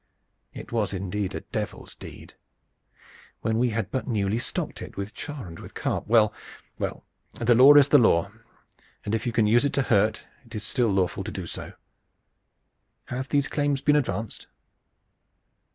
"It was indeed a devil's deed when we had but newly stocked it with char and with carp. Well, well, the law is the law, and if you can use it to hurt, it is still lawful to do so. Have these claims been advanced?"